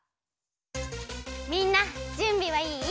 みんなじゅんびはいい？